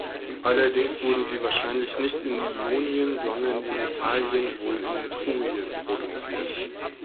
Allerdings wurden sie wahrscheinlich nicht in Ionien, sondern in Italien, wohl in Etrurien, produziert.